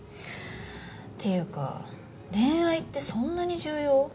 っていうか恋愛ってそんなに重要？